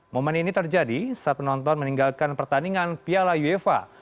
momen ini terjadi saat penonton meninggalkan pertandingan piala uefa